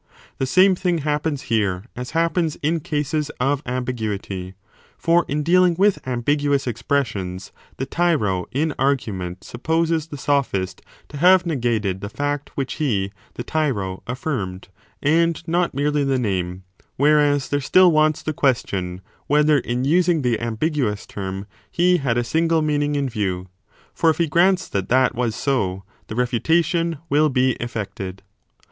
The same thing happens here as happens in cases of ambiguity : for in 2 5 dealing with ambiguous expressions the tyro in argument supposes the sophist to have negated the fact which he (the tyro) affirmed, and not merely the name : whereas there still wants the question whether in using the ambiguous term he had a single meaning in view : for if he grants that that was so, the refutation will be effected.